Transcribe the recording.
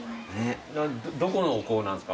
どこのお香なんですか？